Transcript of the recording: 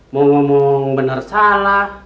mau ngomong bener salah